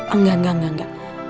enggak enggak enggak